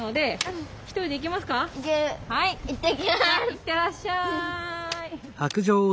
いってらっしゃい。